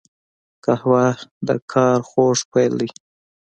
قهوه د کار خوږ پیل دی